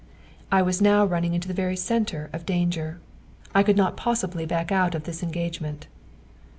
I was now running into the very centre of danger. I could not possibly back out of this engagement.